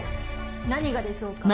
何がでしょうか？